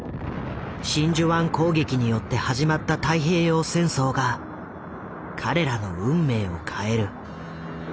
真珠湾攻撃によって始まった太平洋戦争が彼らの運命を変える。